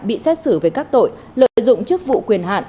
bị xét xử về các tội lợi dụng chức vụ quyền hạn